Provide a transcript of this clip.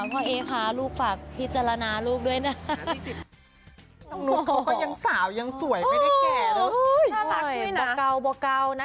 อ่อพ่อเอ๊ค่ะลูกฝากพิจารณาลูกด้วยนะ